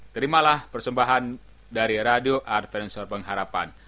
terimalah persembahan dari radio arvensuar pengharapan